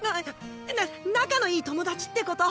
な仲のいい友達ってこと。